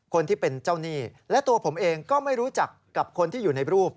คนที่เป็นเจ้าหนี้และตัวผมเองก็ไม่รู้จักกับคนที่อยู่ในรูป